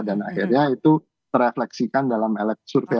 dan akhirnya itu direfleksikan dalam survei elektabilitas